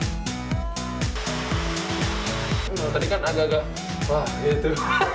hai mengerikan agak agak wah itu